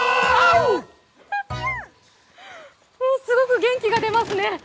すごく元気が出ますね。